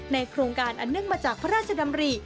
โครงการอันเนื่องมาจากพระราชดำริ